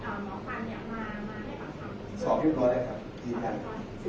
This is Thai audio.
แต่ว่าไม่มีปรากฏว่าถ้าเกิดคนให้ยาที่๓๑